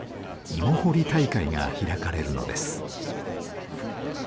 芋掘り大会が開かれるのです。